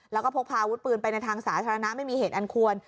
แล้วก็พกพาอาวุธปืนไปในทางสาธารณะไม่มีเหตุอันควร